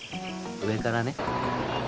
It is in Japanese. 上からね。